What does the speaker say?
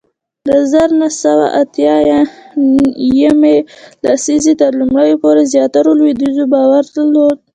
د زر نه سوه اتیا یمې لسیزې تر لومړیو پورې زیاترو لوېدیځوالو باور درلود